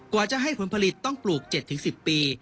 กว่าจะให้ผลผลิตต้องปลูก๗๑๐ปี